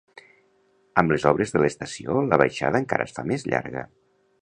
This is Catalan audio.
Amb les obres de l'estació la baixada encara es fa més llarga